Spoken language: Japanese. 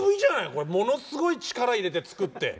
これものすごい力入れて作って。